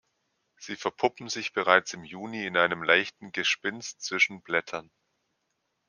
Sie verpuppen sich bereits im Juni in einem leichten Gespinst zwischen Blättern.